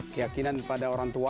keyakinan pada orang tua